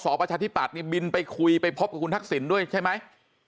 สศปชธิปารฐ์มีบิลไปคุยไปพบกูธักษินธรรมต์ด้วยใช่ไหม